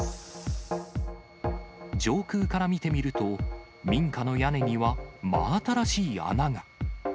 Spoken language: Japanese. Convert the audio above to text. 上空から見てみると、民家の屋根には真新しい穴が。